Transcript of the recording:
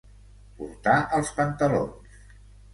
Portar els pantalons.